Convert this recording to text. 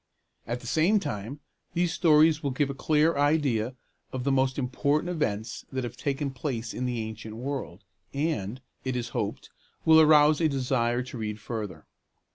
At the same time, these stories will give a clear idea of the most important events that have taken place in the ancient world, and, it is hoped, will arouse a desire to read further.